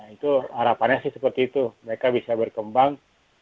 itu harapannya sih seperti itu mereka bisa berkembang